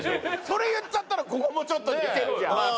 それ言っちゃったらここもちょっと似てるじゃん。